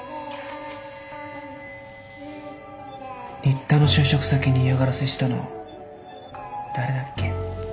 新田の就職先に嫌がらせしたの誰だっけ？